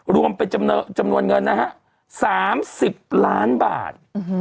รวมเป็นจำนวนเงินนะฮะ๓๐ล้านบาท